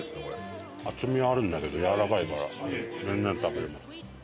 厚みはあるんだけどやわらかいから全然食べられます。